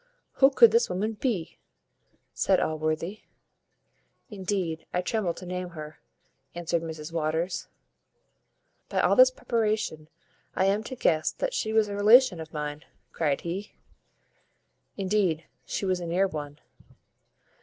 "Who could this woman be?" said Allworthy. "Indeed, I tremble to name her," answered Mrs Waters. "By all this preparation I am to guess that she was a relation of mine," cried he. "Indeed she was a near one."